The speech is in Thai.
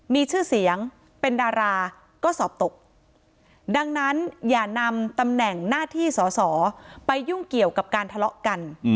มีชื่อเสียงเป็นดาราก็สอบตกดังนั้นอย่านำตำแหน่งหน้าที่สอสอไปยุ่งเกี่ยวกับการทะเลาะกัน